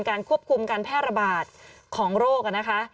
การควบคุมการแพร่ระบาดของโรคนะคะ